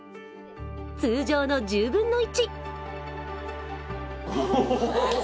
通常の１０分の１。